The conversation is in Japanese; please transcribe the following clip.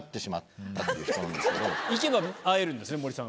行けば会えるんですねもりさん。